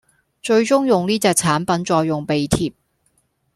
最終用呢隻產品再用鼻貼